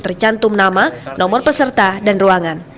terus ada pendaftaran pendaftaran dapat